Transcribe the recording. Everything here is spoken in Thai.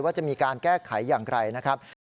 ว่าจะมีการแก้ไขอย่างไรนะครับ